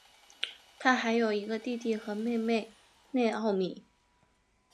他还有一个弟弟和妹妹内奥米。